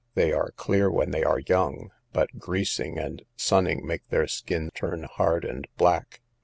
They are clear when they are young, but greasing and sunning make their skin turn hard and black.